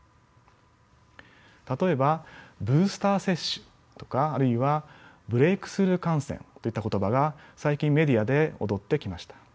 例えばブースター接種とかあるいはブレイクスルー感染といった言葉が最近メディアで躍ってきました。